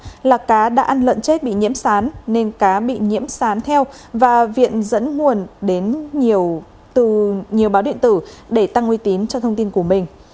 cá có sán là cá đã ăn lợn chết bị nhiễm sán nên cá bị nhiễm sán theo và viện dẫn nguồn đến nhiều báo điện tử để tăng nguy tín cho thông tin của mình